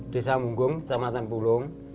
desa munggung kecamatan pulung